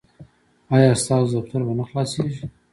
ایا ستاسو دفتر به نه خلاصیږي؟